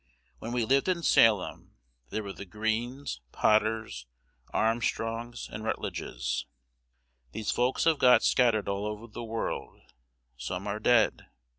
'When we lived in Salem, there were the Greenes, Potters, Armstrongs, and Rutledges. These folks have got scattered all over the world, some are dead.